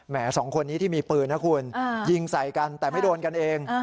สองคนนี้ที่มีปืนนะคุณยิงใส่กันแต่ไม่โดนกันเอง